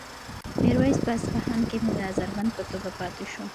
میرویس په اصفهان کې د نظر بند په توګه پاتې شو.